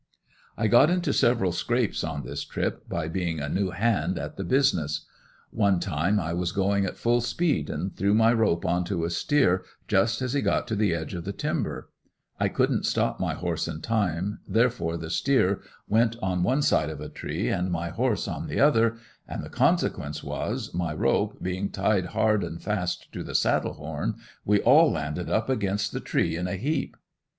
I got into several scrapes on this trip, by being a new hand at the business. One time I was going at full speed and threw my rope onto a steer just as he got to the edge of the timber; I couldn't stop my horse in time, therefore the steer went on one side of a tree and my horse on the other and the consequence was, my rope being tied hard and fast to the saddle horn, we all landed up against the tree in a heap.